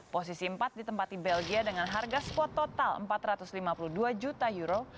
posisi empat ditempati belgia dengan harga spot total empat ratus lima puluh dua juta euro